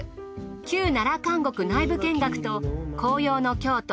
旧奈良監獄内部見学と紅葉の京都